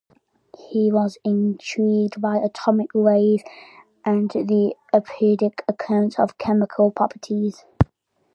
He was intrigued by atomic weights and the periodic occurrence of chemical properties.